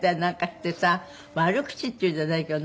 悪口っていうんじゃないけど。